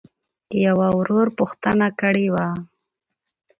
يــوه ورورپوښـتـنــه کــړېــوه.؟